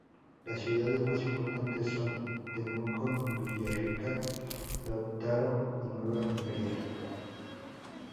Las ciudades más importantes son Temuco, Villarrica, Lautaro y Nueva Imperial.